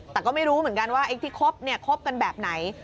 แต่ก็ไม่รู้เหมือนกันว่าไอ้ที่คบเนี่ยคบกันแบบไหน